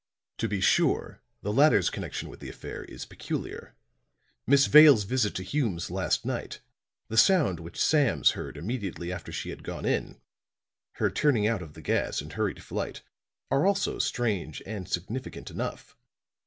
To be sure, the latter's connection with the affair is peculiar; Miss Vale's visit to Hume's last night, the sounds which Sams heard immediately after she had gone in her turning out of the gas and hurried flight, are also strange and significant enough.